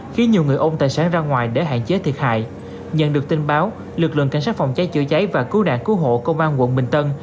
đường cảnh sát phòng cháy chữa cháy và cứu đạn cứu hộ công an quận bình tân